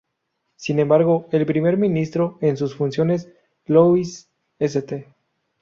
Sin embargo, el Primer Ministro en sus funciones, Louis St.